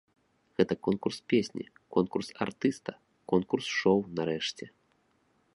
Гэта конкурс песні, конкурс артыста, конкурс шоу, нарэшце.